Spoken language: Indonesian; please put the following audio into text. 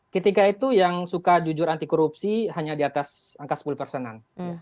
ketika itu yang suka jujur anti korupsi hanya di atas angka sepuluh persenan